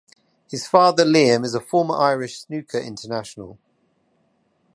His father Liam is a former Irish snooker international.